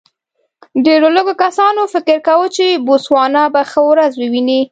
ډېرو لږو کسانو فکر کاوه چې بوتسوانا به ښه ورځ وویني.